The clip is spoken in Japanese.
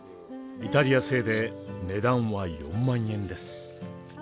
イタリア製で値段は４万円です。